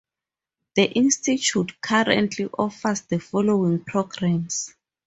The institute currently offers the following programs.